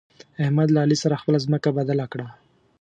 احمد له علي سره خپله ځمکه بدله کړه.